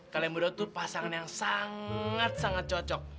kalian berdua tuh pasangan yang sangat sangat cocok